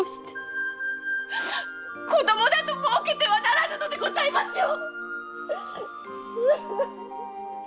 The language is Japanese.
子供などをもうけてはならぬのでございましょう！